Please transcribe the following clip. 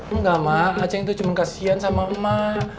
enggak mak aceh itu cuma kasihan sama emak